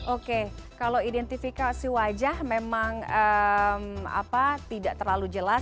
oke kalau identifikasi wajah memang tidak terlalu jelas